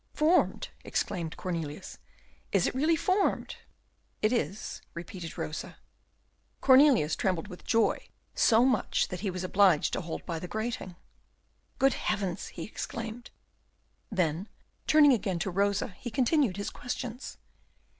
"Formed!" exclaimed Cornelius, "is it really formed?" "It is," repeated Rosa. Cornelius trembled with joy, so much so that he was obliged to hold by the grating. "Good heavens!" he exclaimed. Then, turning again to Rosa, he continued his questions.